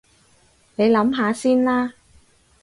你諗下先啦